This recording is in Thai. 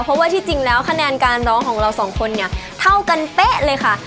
เพราะว่าที่จริงแล้วคะแนนการร้องของเราสองคนเนี่ยเท่ากันเป๊ะเลยค่ะ